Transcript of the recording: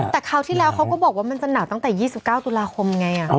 แต่คราวที่แล้วเขาก็บอกว่ามันจะหนาวตั้งแต่๒๙ตุลาคมไง